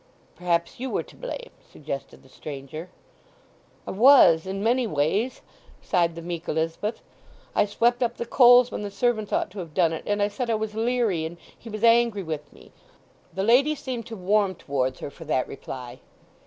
"Perhaps you were to blame," suggested the stranger. "I was—in many ways," sighed the meek Elizabeth. "I swept up the coals when the servants ought to have done it; and I said I was leery;—and he was angry with me." The lady seemed to warm towards her for that reply.